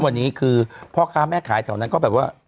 วันนี้คือพ่อค้าแม่ขายแถวนั้นก็แบบว่า